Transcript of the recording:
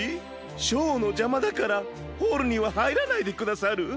ショーのじゃまだからホールにははいらないでくださる？